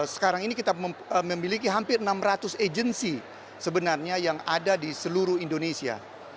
sekarang ini kita memiliki hampir enam ratus agency sebenarnya yang ada di seluruh indonesia